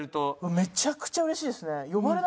めちゃくちゃ嬉しいですね。